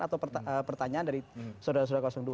atau pertanyaan dari saudara saudara dua